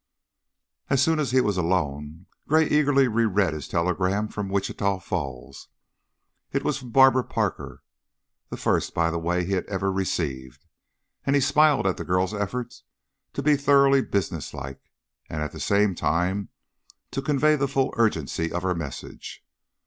'" As soon as he was alone Gray eagerly reread his telegram from Wichita Falls. It was from Barbara Parker the first, by the way, that he had ever received and he smiled at the girl's effort to be thoroughly businesslike, and at the same time to convey the full urgency of her message.